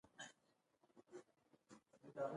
د جلا والي بل لامل هم د پام وړ و.